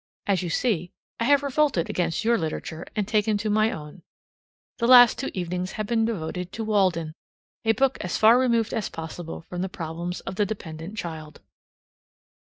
As you see, I have revolted against your literature and taken to my own again. The last two evenings have been devoted to "Walden," a book as far removed as possible from the problems of the dependent child.